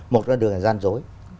một con đường là gian dối